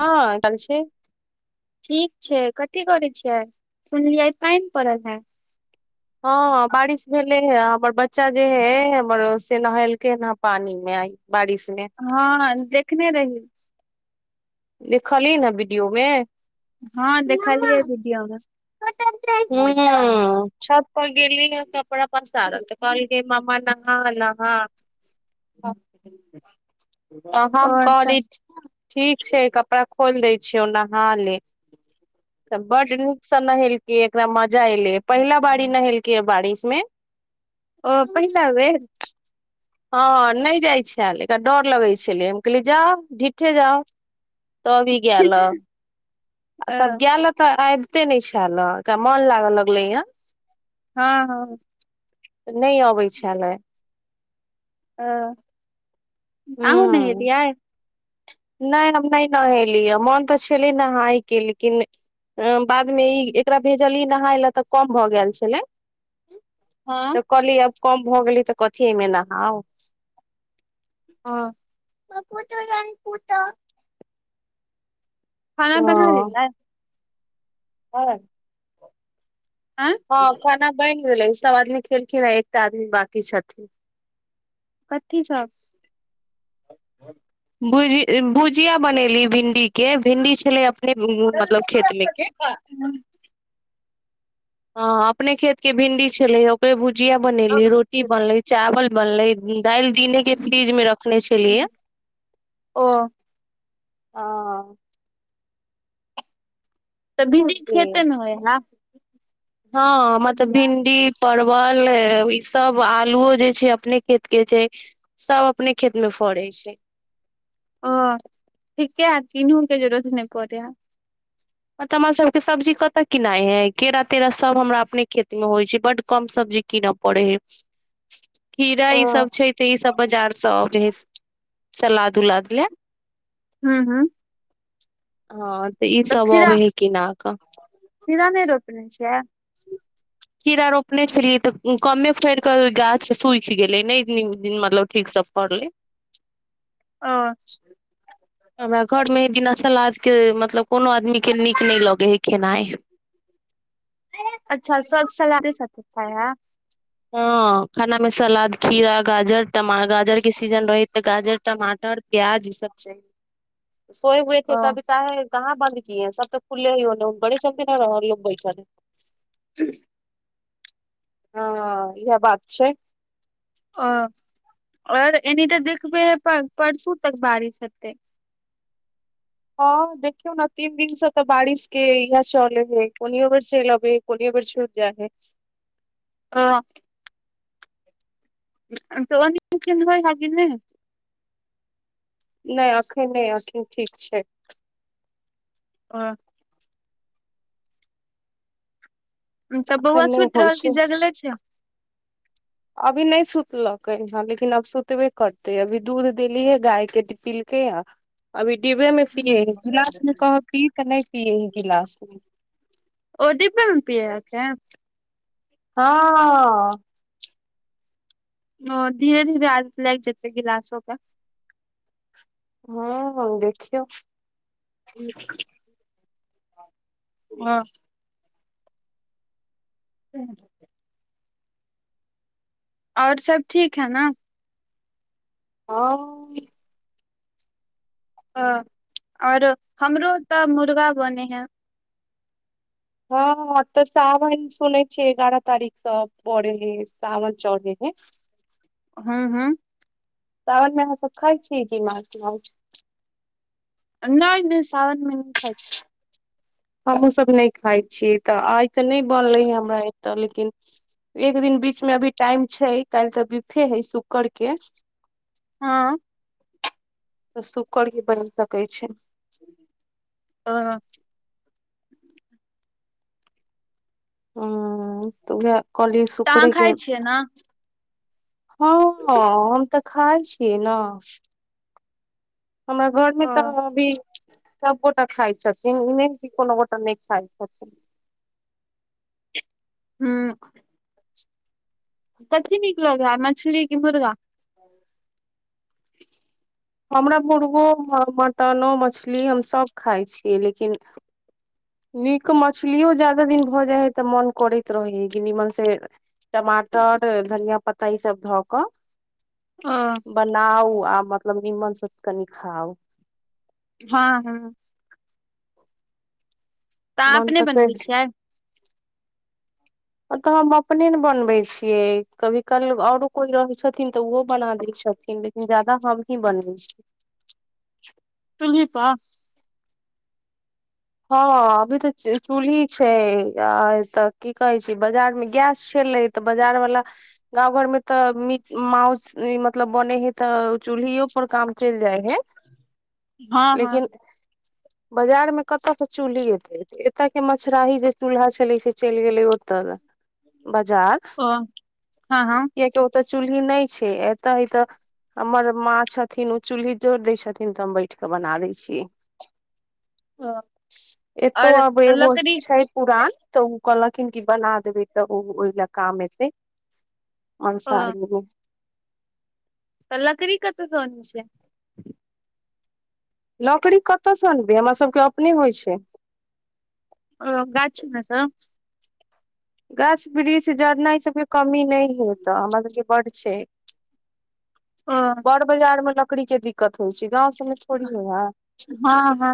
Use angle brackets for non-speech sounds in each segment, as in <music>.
हँ गैल छी ठीक छै कथी करै छियै सुनलियै आय पाइन पड़ल है हँ बारिश भेलै हे हमर बच्चा जे हे हमर ओ से नहेलकैन हँ पानी मे आय बारिश मे हँ देखने रही देखलही नऽ वीडियो मे हँ देखलीयै वीडियो मे हुँ छत पर गेली य कपड़ा पसारय तऽ कहल केँ ममा नहा नहा तऽ हम और तऽ कहलियै ठीक छै कपड़ा खोइल दै छियै नहा ले तऽ बड्ड नीक नहेलकेँ एकरा मजा ऐले पहिला बारी नहेलकेँ य बारिश मे ओ पहिला बेर हँ नय जाइ छैल एकरा डर लगै छलै हम कहलियै जाउ ढ़िठे जाउ तब ई गैल अ अ तब गैल तऽ आबिते नइ छैल अ ऐकरा मन लागऽ लगलै य हँ हँ तऽ नय अबै छलै ओ आहुॅं नहेलियै नय हम नय नहेली यऽ मोन तऽ छलै नहाय केँ लेकिन बादमे ई एकरा भेजलि नहाय लऽ तऽ कम भैय गेल छलै। हँ तऽ कहली अब कम भऽ गेलै तऽ कथि एय मे नहाउ हँ <inaudible> खाना बना लेलियै। हँ आँ हँ खाना बैन गेलै ई सब आदमी खेलखिन हँ एकटा आदमी बाकी छथिन। कथी सब भुज भुजिया बनेली भिन्डी केँ भिन्डी छले अपने मतलब खेत मे केँ हँ अपने खेत केँ भिंडी छलै यऽ ओकरे भुजिया बनेलीयै रोटी बनलै चावल बनलै दाइल दिने केँ फ्रिज मे रखने छलियै यऽ ओ हँ तऽ भिन्डी से खेते मे होइ हऽ हँ हमरा तऽ भिन्डि परवल ई सब आलुओ जे छै अपने खेत केँ छै सब अपने खेत मे फड़ै छै ओ ठीके <unintelligible> नै पड़ै <unintelligible> हं तऽ हमरा सबके सब्जी कतऽ किनाइ है केरा तेरा सब हमरा अपने खेत में होइ छै बड कम सब्जी किनऽ परैऽ हैय खीरा ओ ई सब छै तऽ ई सब बजारसँ अबऽ है सलाद उलाद लऽ हूॅं हूँ हँ तऽ ई सभ अबेय है किना कऽ खीरा नहि रोपने छियै खीड़ा रोपने छलियै तऽ कमे फयड़ कऽ गाछ सूयख गे गेलय नहि मतलब ठिक सऽ फड़ले ओ हमरा घर मे बिना सलाद के मतलब कोनो आदमी के नीक नै लगे हय खेनाइ अच्छा सब सलादे साथे खाय हय हँ खाना मे सलाद खीरा गाजर टमा गाजर के सीजन रहै गाजर टमाटर प्याज ई सब छै चाहिए सोए हुए थे ओ <unintelligible> कहाँ बन्द किये सब तऽ खुले हीयो बड़ी चलते न रहलयो बैठल हँ इएह बात छै ओ ओर एने तऽ देखबे है पर परसू तक बारिश हेतै हँ देखियौ ने तीन दिनसँ तऽ बारिश के इहै चलै है कोनियो बेर चैल आबे <unintelligible> <unintelligible> <unintelligible> नहि नहि एखन नहि अखैन ठीक छैय ओ तऽ अखन बौआ नहि सुइत होइ रहल कि छै जगले छैय अभी नहि सुतलकै हन लेकिन अब सुतबे करते अभी दूध देलीये गाय के तऽ पीलके हन अभी डिब्बे में पियए है गिलास मे कहब पी तऽ नहि पियए है गिलास मे ओ डिब्बे मे पियै यऽ अखेन हँ ओ धीरे धीरे आदत लायग जतै गिलासो क हँ देखियो हँ <unintelligible> और सब ठीक है ना हँ हँ और हमरो तऽ मुर्गा बने हैं हँ हँ तऽ साावन सुनै छियै एगारह तारीखसँ पड़े हेय सावन चढ़ै हेय हूॅं हूॅं सावनमे अहाँ सब खाइ छियै की माछ मौस नहि नहि सावन मे नहि खाइ छि हमहूँ सभ नहि खाइ छियै तऽ आइ तऽ नहि बनलै या हमरा एतय लेकिन एक दिन बीच मे अभी टाइम छै काल्हि तऽ बीफे हय शुक्र के हँ तऽ शुक्र के बनि सकै छै <unintelligible> हं त उहै कॉलेस तऽ अहाँ खाइ छियै न हँ हम तऽ खाइ छियै न हमरा घर मे ओ तऽ अभी सब गोटा खाइ छथिन इ नय कि कोनो गोटा नय खाय छथिन हूं कथी नीक लगै हे मछली की मुर्गा <inaudible> हमरा मुर्गो मटनो मछली हम सभ खाइ छियै लेकिन नीक मछलियो ज्यादा दिन भऽ जाइ है तऽ मोन करैत रहै है कि निमन से टमाटर धनिया पत्ता ई सब धऽ कऽ ह लाउ आ मतलब नीमन सऽ कनि खाउ हँ हँ अहाँ मन अपने तऽ कैर बनबै छियै तऽ हम अपने न बनबै छियै कभी काल आओरो कोई रहै छथिन तऽ उहो बना दै छथिन जादा हमही बनबै छी चुल्ही पऽ हँ अभी तऽ चूल्ही छै आ तऽ की कहे छै बाजार मे गैस छेलै तऽ बजार वला गाँव घर मे तऽ मी माउस मतलब बनै है तऽ चूल्हियो पर काम चलि जाय है हँ हँ लेकिन बाजार मे कत से चूल्हि एतय एत के मछराही जे चूल्हा छलै से चलि गेलै ओतऽ बजार ओ हँ हँ कियाकि ओतय चूल्ही नय छै एतऽ है तऽ हमर माँ छथिन ओ चूल्ही जोर दै छथिन तऽ हम बैठ के बना दै छीयै ह एतौ आब बो छै पुरान तऽ ओ कहलखिन कि बना देबै तऽ ओ ओहि लए काम एतै ओ अंसारी मे त लकड़ी कतऽ स अनै छियै लकड़ी कतयसँ अनबै हमरा सबके अपने होइ छै ओ गाछी मे सऽ गाछ वृक्ष जड़ना ई सब के कमी नय है एत हमरा सब के बड्ड छै ओ बड़ बाजार मे लकड़ी के दिक् कत होइ छै गाँव सबमे थोड़ी होय हँ हँ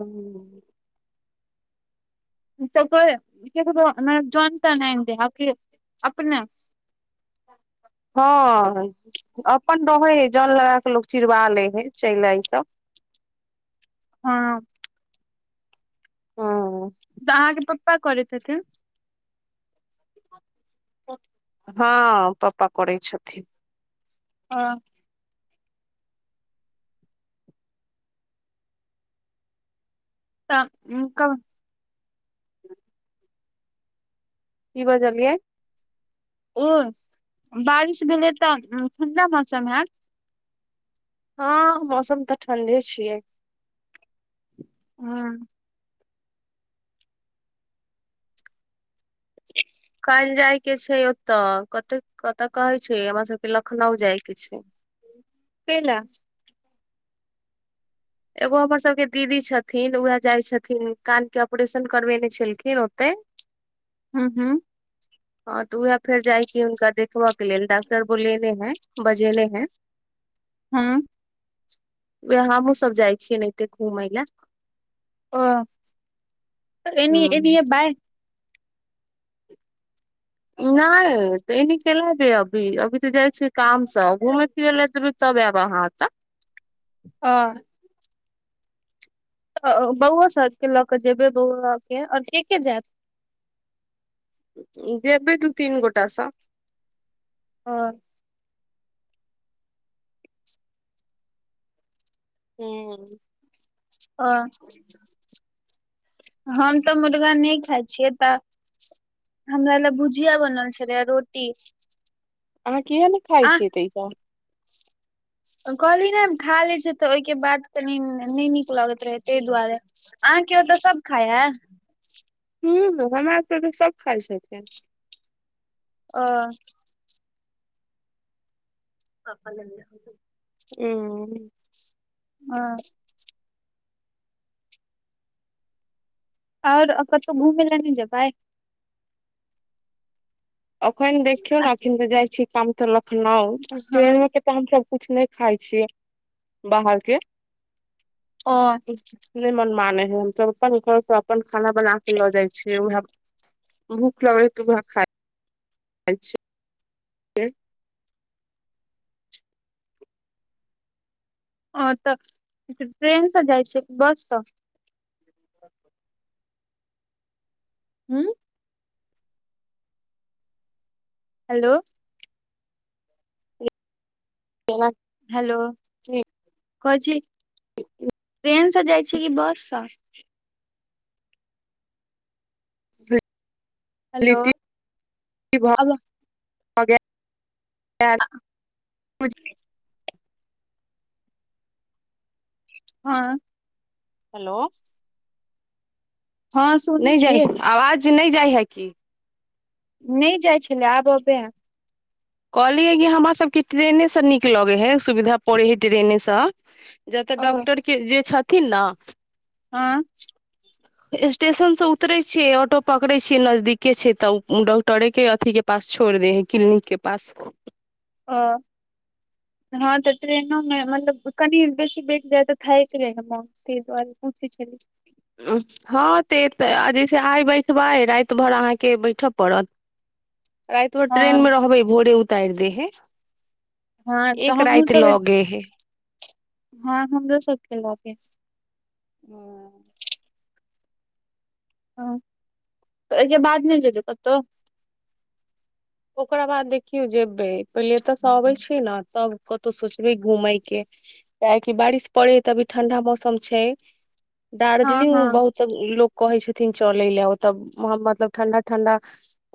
है त कोय ककरो जोन तोन आइन दै हे कि अपने हँ अपन रहै है जन लगा क लोक चिड़वा लल हय चैला ई सब हँ हूं तऽ अहाँके पप्पा करै छथिन त <unintelligible> हँ पप्पा करै छथिन हं तऽ उ कब की बजलियै ओ बारिश भेलै तऽ ठण्डा मौसम हेत हँ मौसम तऽ ठण्डे छियै हँ <inaudible> काएल जाय के छै ओतऽ कते कतऽ कहै छै हमरा सबके लखनऊ जाय के छै पेला एगो हमर सबके दीदी छथिन उएह जाइ छथिन कान के ऑपरेशन करबेने छलखिन ओते <inaudible> हु हुँ <inaudible> हँ तऽ उएह फेर जायके हुनका देखबयके लेल डॉक्टर बोलेने हैं बजेने हैं <inaudible> हुँ वैह हमहूँ सब जाइ छियै एनाहिते घुमय लए ओ तऽ एनी ह एनी एबै नय तऽ एनी केेला जेबै अभी अभी तऽ जाइ छियै काम से घूमेय फिरै लए जेबै तब एब अहाँ एतऽ हँ तऽ बौआ सब के लऽ के जेबै बौआ के आऔर के के जायत जेबे दू तीनयगोटास सँ ओ हुँ हँ हम तऽ मुर्गा ने खाय छियै तऽ हमरा लए भुजिया बनल छलै आ रोटी अहाँ किये ने खाइ आ छियै तऽ ई सब कहली ने खा ले छै तऽ ओहिके बाद कनी नय नीक लगैत रहै ताहि दुआरे अहाँ के ओतऽ सब खाय हे हुँ हमर सबके तऽ सब खाइ छथिन ओ <unintelligible> उंम्म हँ आओर आ कतौ घूमै लए नय जेबे पाए अखन देखिय ने अखन तऽ जाइ छी काम तऽ लखनऊ स हँ तऽ हमसब कुछ नय खाय छियै बाहर के ओ नय मन माने हय हमसब अपन घरसँ अपन खाना बना के लऽ जाइ छियै उहे सब भूख लगै हयतऽ उहे खाय खाय छियै छियै हँ तऽ ट्रेनसँ जाइ छियै की बससँ <inaudible> हू हेलो केना हेलो कहे छी ट्रेन से जाइ छै कि बस से हेलो लिट्टी भऽ गेल हँ हेलो हँ सुनै नहि जाइ छियै आवाज नहि जाइ है की नहि जाइै छलय आब अबै है कहलियै है कि हमरासके ट्रेनेसँ नीक लगैत हइ सुविधा पड़ैत हइ ट्रेनेसँ जतऽ ओ डॉक्टर के जे छथिन ने हँ <inaudible> स्टेशन से उतरे छियै ऑटो पकड़े छिये नजदीके छै तऽ डॉक्टरे के अथी के पास छोड़ दे हैं क्लिनिक के पास हँ हँ तऽ ट्रेनो मे मतलब कनि बेसी बैठ जाय ते थायक जाय हेय नऽ मोन ते दुआरे पहुँचे छलि हँ तऽ जैसे आइ बैठबै राति भर अहाँके बैठय पड़त राति भर ट्रेनमे हँ रहबै भोरे उतारि दे हे हँ तऽ एक हमहुँ राइत सब लऽ गे हे हँ हमरो सब के लगे हैं <unintelligible> हँ अके बाद नै जेबै कतहु ओकरा बाद देखियौ जेबै पहिले एतऽ सऽ अबै छी ने तब कतहु सोचबै घूमय के काहे कि बारिश पड़े तऽ अभी ठंडा मौसम छै हँ दार्जलिंग हँ बहुत तऽ लोक कहे छथिन चले ले ओत मतलब ठंडा ठंडा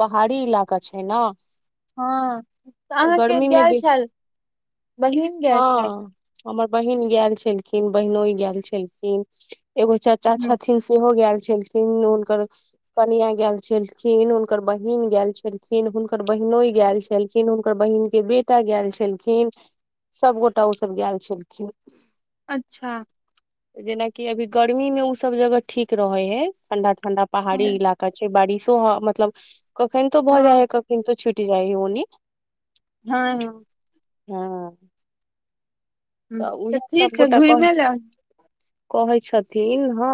पहाड़ी इलाका छै हय ना हँ तऽ अहाँके गेल बे छेल बहिन गेल हँ छेल हमर बहिन गेयल छलखिन बहिनोइ गेल छलखिन एगो चाचा हँ। छथिन सेहो गेल छलखिन हुनकर कनिया गेल छलखिन हुनकर बहिन गेल छलखिन हिन हुनकर बहिनोइ गेल छलखिन हुनकर बहिन के बेटा गेयल छलखिन सभगोटा ओसभ गेल छलखिन अच्छा जेनाकि अभी गर्मी मे ओ सब जगह ठीक रहे है ठंडा ठंडा पहाड़ी हँ इलाका ओता बारिशो ह मतलब कखन तो भऽ जाइ हँ है कखनितो छुटि जाइ हइ ओनी हँ हँ हं ह तऽ उएह सब ठीक है गोटा कहै घुमे ले कहै छथिन हँ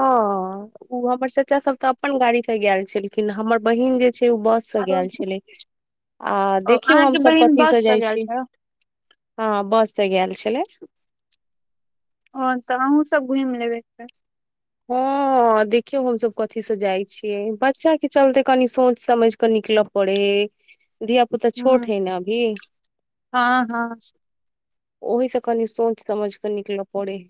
ओ हमर चाचा सब तऽ अपन गाड़ी के गेल छलखिन हमर बहिन जे छै ओ बस से आरो गेल छलै आ देखियौ अहाँके हमसभ बहिन कथीसँ बस से जाइ गेल छी छल हँ बस सऽ गेल छलै ओ तऽ अहुँ सब घुम लेबै तऽ हँ देखियौ हमसभ कथीसँ जाइ छियै बच्चा के चलते कनि सोचि समझ कऽ निकलब पढ़ै है धिया पुता ह छोट है ने अभी हँ हँ ओहि से कनी सोच समझ कऽ निकलऽ पड़ै है